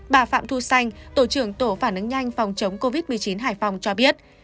bà phạm thu xanh tổ trưởng tổ phản ứng nhanh phòng chống covid một mươi chín hải phòng cho biết